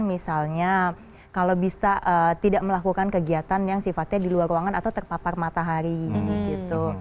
misalnya kalau bisa tidak melakukan kegiatan yang sifatnya di luar ruangan atau terpapar matahari gitu